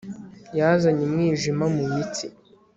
yazanye umwijima mu mitsi